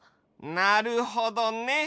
なるほどね！